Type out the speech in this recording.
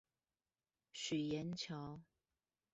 許顏橋